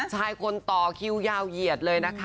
ชายคนต่อคิวยาวเหยียดเลยนะคะ